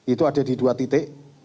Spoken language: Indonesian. itu ada di dua titik